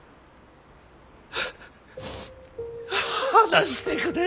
話してくれ。